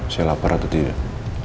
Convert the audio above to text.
saya lapar atau tidak